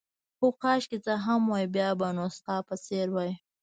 هو، کاشکې زه هم وای، بیا به نو ستا په څېر وای.